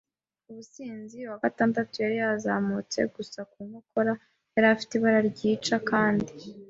ubusinzi. Uwa gatandatu yari yazamutse gusa ku nkokora; yari afite ibara ryica, kandi